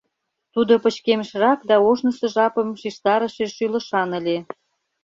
Тудо пычкемышрак да ожнысо жапым шижтарыше шӱлышан ыле.